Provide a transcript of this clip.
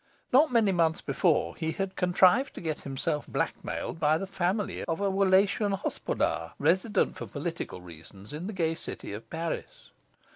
Not many months before, he had contrived to get himself blackmailed by the family of a Wallachian Hospodar, resident for political reasons in the gay city of Paris.